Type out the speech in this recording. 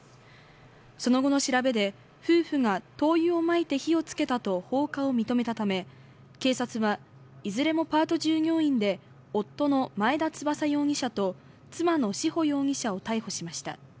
その後の調べで夫婦が灯油をまいて火をつけたと放火を認めたため、警察は、いずれもパート従業員で夫の前田翼容疑者と妻の志保容疑者を逮捕しました。